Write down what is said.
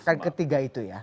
akan ketiga itu ya